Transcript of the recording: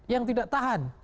yang tidak tahan